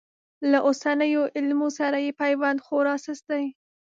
له اوسنیو علومو سره یې پیوند خورا سست دی.